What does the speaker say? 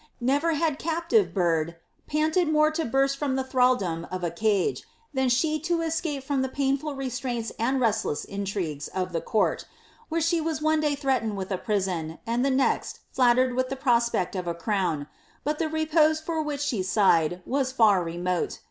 Never had cap tive bird panted more to burst from the thraldom of a cage, than she to escape from the painful restraints and restless intrigues of the court, where she was one day threatened with a prison, and the next flattered with the prospect of a crown ;' but the repose for which she sighed was far remote.